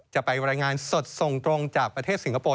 จะไปรายงานสดส่งตรงจากประเทศสิงคโปร์